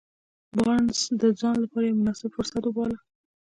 بارنس دا د ځان لپاره يو مناسب فرصت وباله.